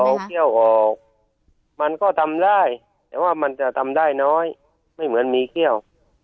เอาเขี้ยวออกมันก็ทำได้แต่ว่ามันจะทำได้น้อยไม่เหมือนมีเขี้ยว